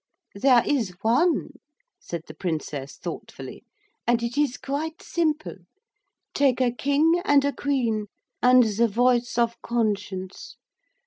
'There is one,' said the Princess thoughtfully, 'and it is quite simple. Take a king and a queen and the voice of conscience.